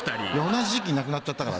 同じ時期に亡くなっちゃったから。